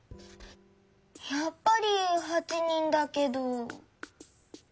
やっぱり８人だけど。